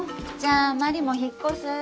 じゃあマリも引っ越す？